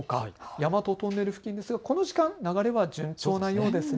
大和トンネル付近ですが今の時間流れは順調なようですね。